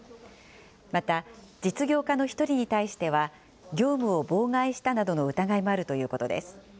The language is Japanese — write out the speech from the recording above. また、実業家の１人に対しては、業務を妨害したなどの疑いもあるということです。